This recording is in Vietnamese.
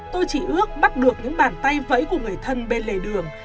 tôi chỉ ước bắt được những bàn tay vẫy của người thân bên lề đường